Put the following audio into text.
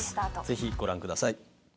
ぜひご覧ください。